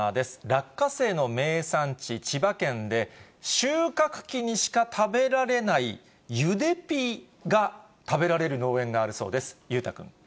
落花生の名産地、千葉県で、収穫期にしか食べられない、ゆでピーが食べられる農園があるそうです。